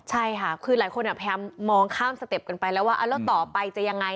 ใช่ค่ะคือหลายคนพยายามมองข้ามสเต็ปกันไปแล้วว่าแล้วต่อไปจะยังไง